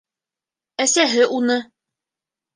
Әсәһе уны: